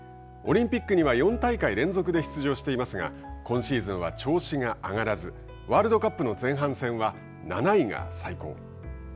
オリンピックには４大会連続で出場していますが今シーズンは調子が上がらずワールドカップの前半戦は７位が最高。